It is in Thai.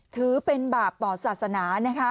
ถือเป็นบาปต่อศาสนานะคะ